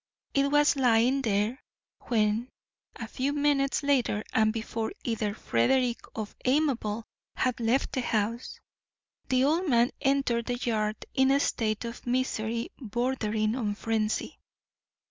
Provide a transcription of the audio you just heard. It was lying there then, when, a few minutes later and before either Frederick or Amabel had left the house, the old man entered the yard in a state of misery bordering on frenzy.